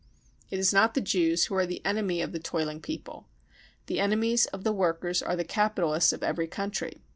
..." It is not the Jews who are the enemy of the toiling people. The enemies of the workers are the capitalists of every country.